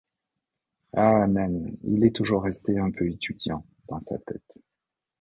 Ah, naine, il est toujours resté un peu étudiant, dans sa tête…